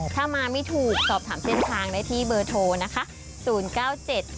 ถ้ามาไม่ถูกสอบถามเส้นทางได้ที่เบอร์โทรนะคะ๐๙๗